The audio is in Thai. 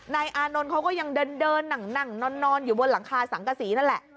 อานนท์เขาก็ยังเดินนั่งนอนอยู่บนหลังคาสังกษีนั่นแหละ